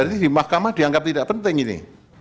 ini di mahkamah dianggap tidak penting ini